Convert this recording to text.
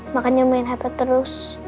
makanya main hp terus